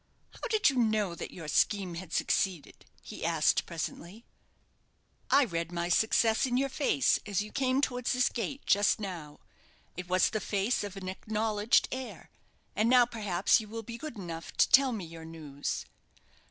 "How did you know that your scheme had succeeded?" he asked, presently. "I read my success in your face as you came towards this gate just now. It was the face of an acknowledged heir; and now, perhaps, you will be good enough to tell me your news."